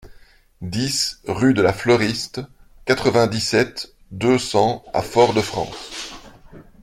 dix rue de la Fleuriste, quatre-vingt-dix-sept, deux cents à Fort-de-France